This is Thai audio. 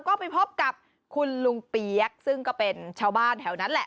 ก็ไปพบกับคุณลุงเปี๊ยกซึ่งก็เป็นชาวบ้านแถวนั้นแหละ